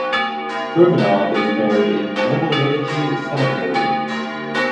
Furmanov is buried in Novodevichy Cemetery.